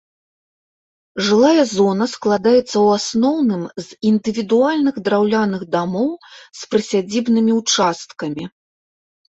Жылая зона складаецца ў асноўным з індывідуальных драўляных дамоў з прысядзібнымі ўчасткамі.